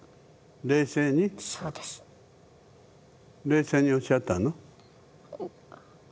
冷静におっしゃったの？